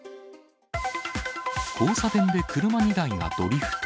交差点で車２台がドリフト。